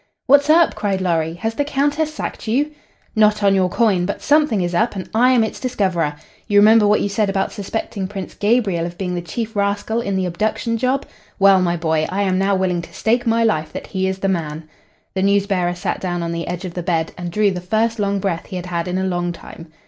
"What's up?" cried Lorry. "Has the Countess sacked you?" "Not on your coin! But something is up, and I am its discoverer. You remember what you said about suspecting Prince Gabriel of being the chief rascal in the abduction job? Well, my boy, I am now willing to stake my life that he is the man." The news bearer sat down on the edge of the bed and drew the first long breath he had had in a long time.